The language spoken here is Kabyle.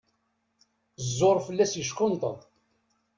Ẓẓur fell-as yeckunṭeḍ.